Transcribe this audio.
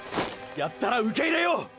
やったら受け入れよう！！